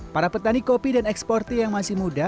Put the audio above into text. para petani kopi dan eksportir yang masih muda